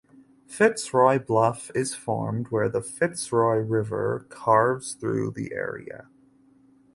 Fitzroy Bluff is formed where the Fitzroy River carves through the area.